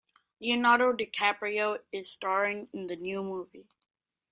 Leonardo DiCaprio is staring in the new movie.